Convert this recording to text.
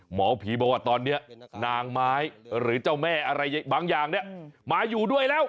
หมอผีบอกว่าตอนนี้นางไม้หรือเจ้าแม่อะไรบางอย่างเนี่ยมาอยู่ด้วยแล้ว